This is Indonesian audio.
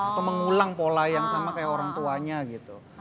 atau mengulang pola yang sama kayak orang tuanya gitu